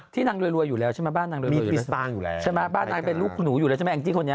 ที่นางรวยรวยอยู่แล้วใช่มั้ยบ้านนางรวยรวยอยู่แล้วใช่มั้ยบ้านนางเป็นลูกหนูอยู่แล้วใช่มั้ยแองจิคคนนี้